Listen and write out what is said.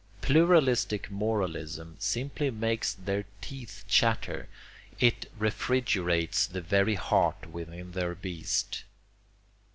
Pluralistic moralism simply makes their teeth chatter, it refrigerates the very heart within their breast.